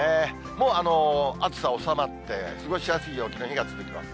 もう暑さ収まって過ごしやすい陽気の日が続きます。